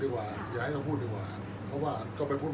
อันไหนที่มันไม่จริงแล้วอาจารย์อยากพูด